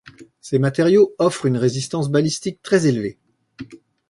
Ces matériaux offrent une résistance balistique très élevée.